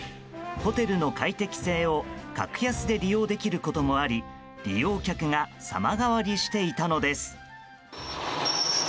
ホテルの快適性を格安で利用できることもあり利用客が様変わりしていたのです。